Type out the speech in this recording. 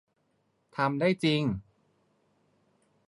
ทำได้จริง